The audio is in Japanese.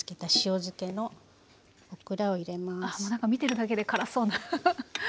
なんか見てるだけで辛そうな。